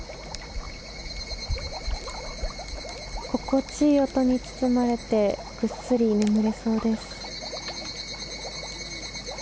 心地いい音に包まれてぐっすり眠れそうです。